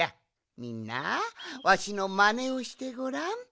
みんなわしのマネをしてごらん。